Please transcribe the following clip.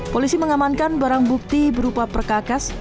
polisi mengamankan barang bukti berupa perkakas